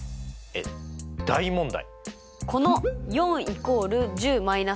えっ大問題？